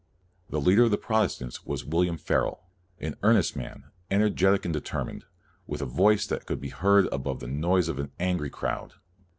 The leader of the Protestants was William Farel, an earnest man, energetic and determined, with a voice which could be heard above the noise of an angry crowd.